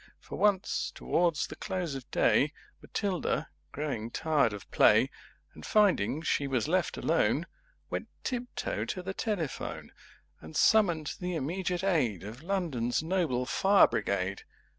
For once, towards the Close of Day, Matilda, growing tired of play, [Pg 23] And finding she was left alone, Went tiptoe to the Telephone And summoned the Immediate Aid Of London's Noble Fire Brigade.